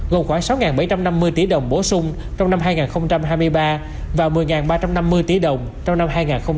gồm khoảng sáu bảy trăm năm mươi tỷ đồng bổ sung trong năm hai nghìn hai mươi ba và một mươi ba trăm năm mươi tỷ đồng trong năm hai nghìn hai mươi bốn